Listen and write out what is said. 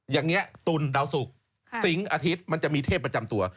อย่างนี้ตุลดาวสุกสิงค์อาทิตย์มันจะมีเทพประจำตัว